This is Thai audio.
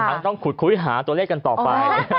ต้องขุดคุยหาตัวเลขกันต่อไป